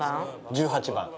１８番。